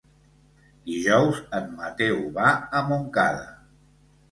Dijous en Mateu va a Montcada.